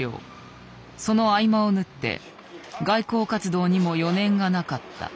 その合間を縫って外交活動にも余念がなかった。